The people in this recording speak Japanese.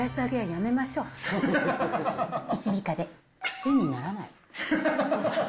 癖にならない。